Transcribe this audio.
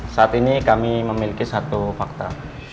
saat ini kami memiliki satu fakta